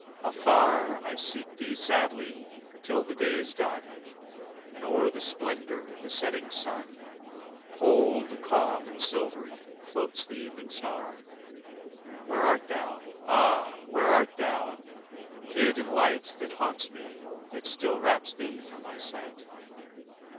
Afar I seek thee sadly, till the day is done, And o'er the splendour of the setting sun, Cold, calm, and silvery, floats the evening star; Where art thou? Ah! where art thou, hid in light That haunts me, yet still wraps thee from my sight?